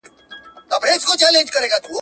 اقتصادي تعاون د ټولني بقا ده.